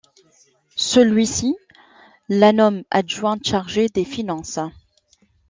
Celui-ci la nomme adjointe, chargée des Finances.